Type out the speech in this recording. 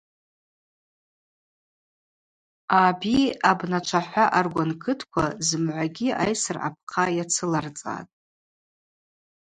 Аби абначвахӏва аргван кытква зымгӏвагьи айсра апхъала йацыларцӏатӏ.